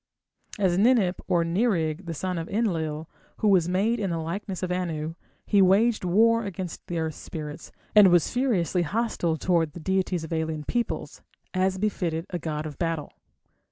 As Ninip or Nirig, the son of Enlil, who was made in the likeness of Anu, he waged war against the earth spirits, and was furiously hostile towards the deities of alien peoples, as befitted a god of battle.